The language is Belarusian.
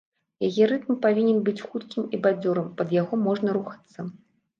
Яе рытм павінен быць хуткім і бадзёрым, пад яго можна рухацца.